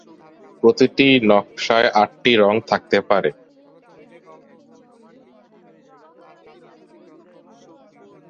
প্রতিটি নকশায় আটটি রঙ থাকতে পারে।